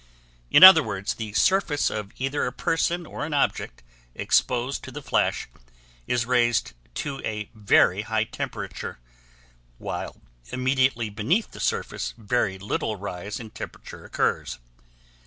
In other words the surface of either a person or an object exposed to the flash is raised to a very high temperature while immediately beneath the surface very little rise in temperature occurs.